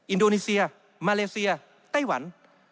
อินโดนีเซียมาเลเซียไต้หวัน